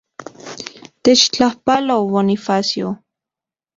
Techtlajpalo, Bonifacio.